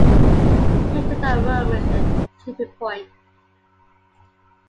He called that moment the "tipping point".